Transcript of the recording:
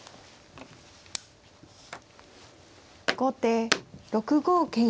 後手６五桂馬。